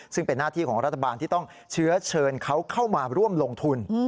ซึ่งเป็นหน้าที่ของรัฐบาลที่ต้องเชื้อเชิญเขาเข้ามาร่วมลงทุน